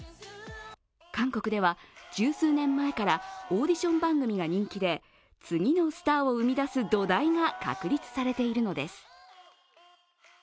韓国では十数年前からオーディション番組が人気で次のスターを生み出す土台が確立されているのです。